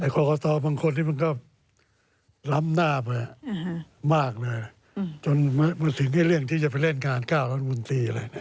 ควรคือบางคนมันก็ล้ำหน้ากันมากเลยจนมันถึงให้เรื่องที่จะไปเล่นการ๙๑๑อะไร